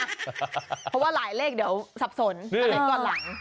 เพราะว่าหลายเลขเดี๋ยวสับสนอันไหนก่อนหลัง